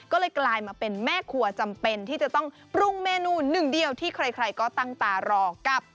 ก็เลยกลายมาเป็นแม่ครัวจำเป็นที่จะต้องปรุงเมนูหนึ่งเดียวที่ใครก็ตั้งตารอกับ